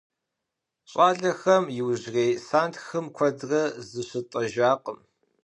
ЩIалэхэм иужьрей сэнтхым куэдрэ зыщытIэжьакъым.